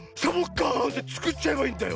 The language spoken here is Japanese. カーンってつくっちゃえばいいんだよ。